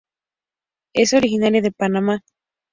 Es originaria de Panamá.